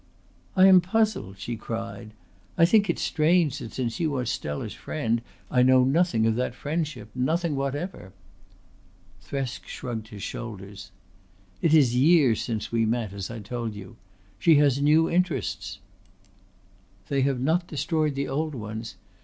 "I am puzzled," she cried. "I think it's strange that since you are Stella's friend I knew nothing of that friendship nothing whatever." Thresk shrugged his shoulders. "It is years since we met, as I told you. She has new interests." "They have not destroyed the old ones.